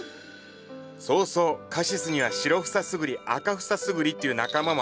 そうそうカシスには白フサスグリ赤フサスグリっていう仲間もあって。